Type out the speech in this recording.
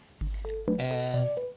え。